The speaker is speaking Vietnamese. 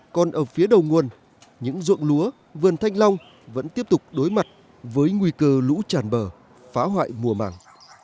còn ở phía đầu nguồn những ruộng lúa vườn thanh long vẫn tiếp tục đối mặt với nguy cơ lũ tràn bờ phá hoại mùa màng